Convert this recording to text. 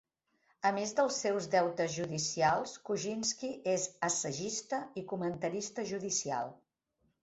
A més dels seus deutes judicials, Kozinski és assagista i comentarista judicial.